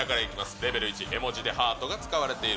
レベル１、絵文字でハートが使われている。